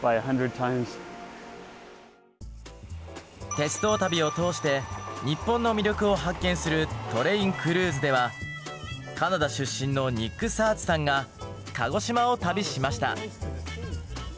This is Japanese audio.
鉄道旅を通して日本の魅力を発見するカナダ出身のニック・サーズさんが鹿児島を旅しました。